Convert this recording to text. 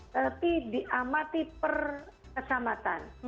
tapi diamati perkecamatan